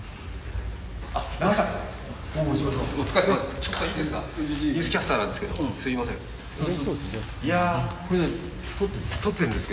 ちょっといいですか？